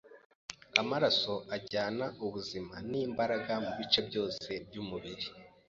amaraso ajyana ubuzima n’imbaraga mu bice byose by’umubiri.